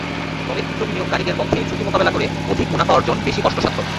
তবে ক্ষুদ্র বিনিয়োগকারীদের পক্ষে ঝুঁকি মোকাবিলা করে অধিক মুনাফা অর্জন বেশ কষ্টসাধ্য।